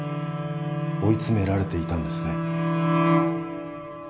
追い詰められていたんですね。